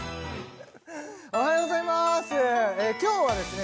おはようございます今日はですね